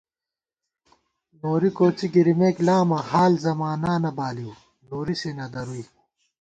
نوری کوڅِی گِرِیمېک لامہ ، حال زمانانہ بالِؤ نوری سے نہ درُوئی